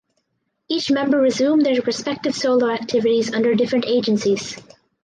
Each member resumed their respective solo activities under different agencies.